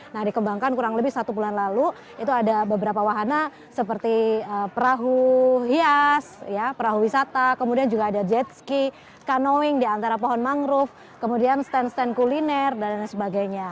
nah dikembangkan kurang lebih satu bulan lalu itu ada beberapa wahana seperti perahu hias perahu wisata kemudian juga ada jet ski kanoing di antara pohon mangrove kemudian stand stand kuliner dan sebagainya